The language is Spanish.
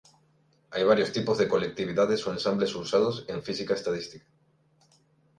Hay varios tipos de colectividades o ensambles usados en física estadística.